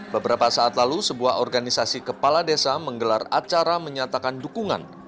beberapa saat lalu sebuah organisasi kepala desa menggelar acara menyatakan dukungan